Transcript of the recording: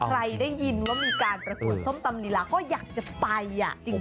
ใครได้ยินว่ามีการประกวดส้มตำลีลาก็อยากจะไปจริง